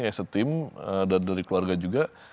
as a team dan dari keluarga juga